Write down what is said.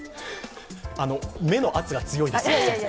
あの、目の圧が強いです。